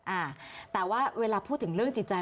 อ่าแต่ว่าเวลาพูดถึงเรื่องจิตใจ